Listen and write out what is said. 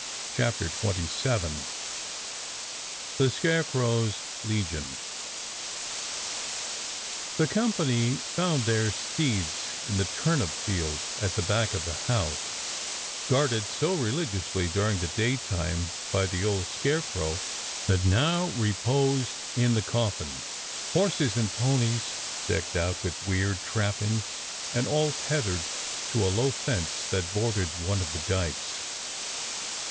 CHAPTER XXVII THE scarecrow's LEGION THE company found their steeds in the turnip field at the back of the house, guarded so re ligiously during the daytime by the old scare crow that now reposed in the coffin — horses and ponies decked out with weird trappings and all tethered to a low fence that bordered one of the dykes.